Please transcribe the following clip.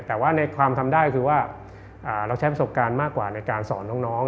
แต่ว่าในความทำได้คือว่าเราใช้ประสบการณ์มากกว่าในการสอนน้อง